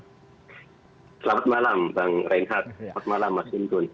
ya selamat malam bang renhat selamat malam mas gunggun